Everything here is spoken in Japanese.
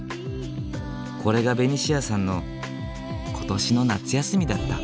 これがベニシアさんの今年の夏休みだった。